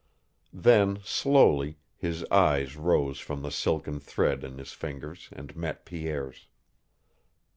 Then, slowly, his eyes rose from the silken thread in his fingers and met Pierre's.